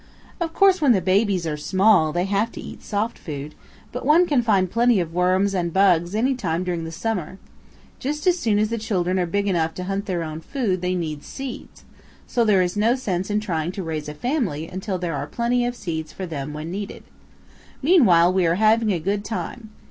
Of course when the babies are small they have to have soft food, but one can find plenty of worms and bugs any time during the summer. Just as soon as the children are big enough to hunt their own food they need seeds, so there is no sense in trying to raise a family until there are plenty of seeds for them when needed. Meanwhile we are having a good time.